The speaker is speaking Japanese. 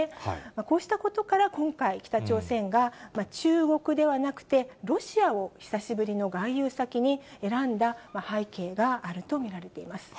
こうしたことから今回、北朝鮮が中国ではなくて、ロシアを久しぶりの外遊先に選んだ背景があると見られています。